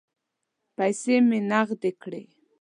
پیسې مې نغدې کړې.